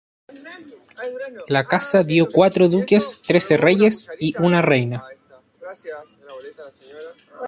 La casa dio cuatro duques, trece reyes y una reina.